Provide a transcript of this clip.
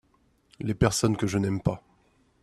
Les personnes que je n'aime pas.